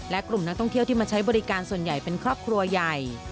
และกลุ่มนักท่องเที่ยวที่มาใช้บริการส่วนใหญ่เป็นครอบครัวใหญ่